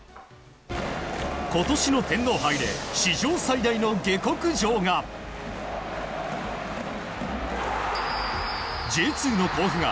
今年の天皇杯で史上最大の下克上が。